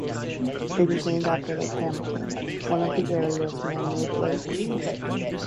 It is named after Lake Hamilton, one of the area's man-made lakes.